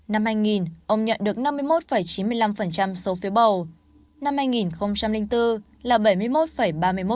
năm hai nghìn ông nhận được năm mươi một chín mươi năm số phiếu bầu